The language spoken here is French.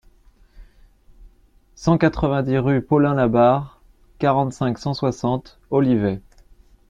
cent quatre-vingt-dix rue Paulin Labarre, quarante-cinq, cent soixante, Olivet